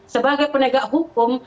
sebagai penegak hukum